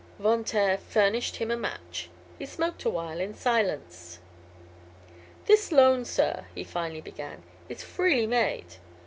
Von Taer furnished him a match. He smoked a while in silence. "This loan, sir," he finally began, "is freely made.